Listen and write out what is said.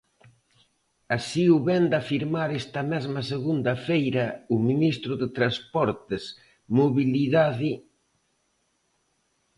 Así o vén de afirmar esta mesma segunda feira o ministro de Transportes, Mobilidade.